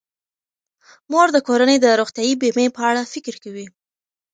مور د کورنۍ د روغتیايي بیمې په اړه فکر کوي.